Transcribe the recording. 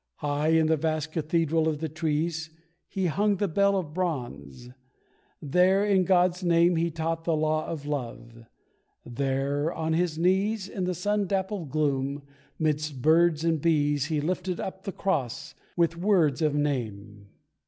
High in the vast cathedral of the trees He hung the bell of bronze; there in God's name He taught the law of Love; there on his knees In the sun dappled gloom, midst birds and bees, He lifted up the cross, with words of name.